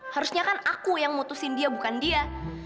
harusnya kan aku yang mutusin dia bukan dia